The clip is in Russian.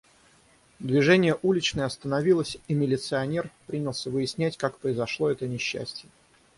Движение уличное остановилось и милиционер принялся выяснять, как произошло это несчастье.